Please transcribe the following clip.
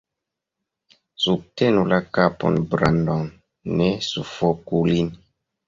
Subtenu la kapon Brandon. Ne sufoku lin.